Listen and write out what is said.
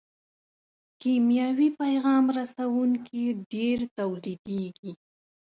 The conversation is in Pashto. کیمیاوي پیغام رسوونکي ډېر تولیدیږي.